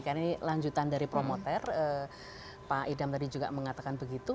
karena ini lanjutan dari promoter pak idam tadi juga mengatakan begitu